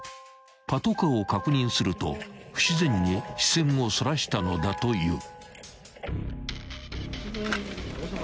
［パトカーを確認すると不自然に視線をそらしたのだという］